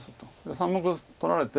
３目取られて。